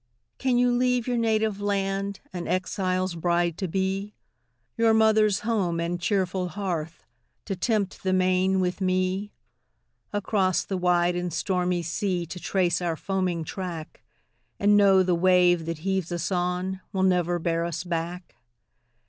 can you leave your native land An exile's bride to be; Your mother's home, and cheerful hearth, To tempt the main with me; Across the wide and stormy sea To trace our foaming track, And know the wave that heaves us on Will never bear us back?